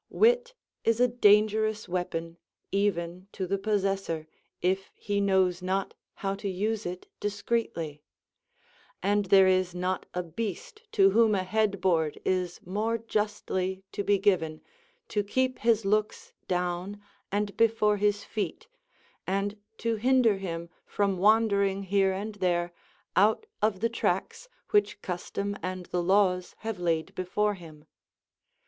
Wit is a dangerous weapon, even to the possessor, if he knows not how to use it discreetly; and there is not a beast to whom a headboard is more justly to be given, to keep his looks down and before his feet, and to hinder him from wandering here and there out of the tracks which custom and the laws have laid before him.